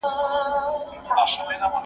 زه هره ورځ درسونه اورم؟